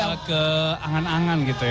membawa kita ke angan angan gitu ya